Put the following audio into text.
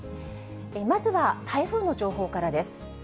まずは台風の情報からです。